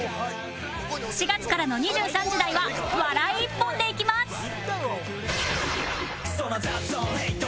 ４月からの２３時台は笑い一本でいきます！